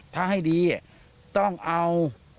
ถ้าให้ดีต้องเอา